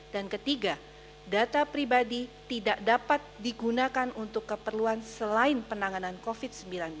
dan ketiga data pribadi tidak dapat digunakan untuk keperluan selain penanganan covid sembilan belas